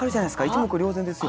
一目瞭然ですよ。